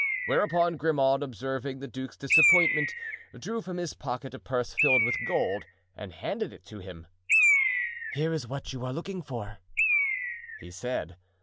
Whereupon Grimaud, observing the duke's disappointment, drew from his pocket a purse filled with gold and handed it to him. "Here is what you are looking for," he said.